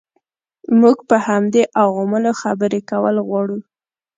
موږ په همدې عواملو خبرې کول غواړو.